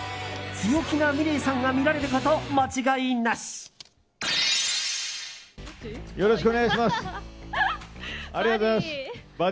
強気なｍｉｌｅｔさんが見られること間違いなし！